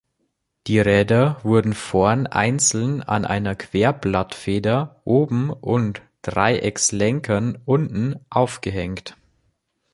Die Räder wurden vorn einzeln an einer Querblattfeder oben und Dreieckslenkern unten aufgehängt.